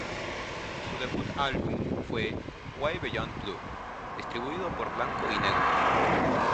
Su debut álbum fue "Way Beyond Blue", distribuido por "Blanco y Negro".